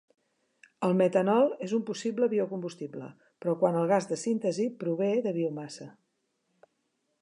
El metanol és un possible biocombustible, però quan el gas de síntesi prové de biomassa.